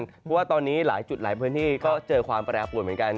เพราะว่าตอนนี้หลายจุดหลายพื้นที่ก็เจอความแปรปวดเหมือนกัน